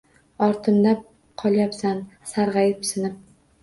Ortimda qolyapsan sarg‘ayib, sinib.